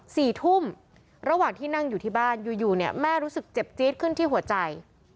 สี่ทุ่มระหว่างที่นั่งอยู่ที่บ้านอยู่อยู่เนี่ยแม่รู้สึกเจ็บจี๊ดขึ้นที่หัวใจ